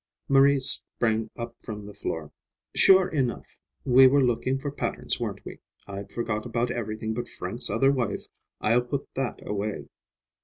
Maria sprang up from the floor. "Sure enough, we were looking for patterns, weren't we? I'd forgot about everything but Frank's other wife. I'll put that away."